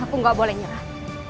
aku gak boleh nyerah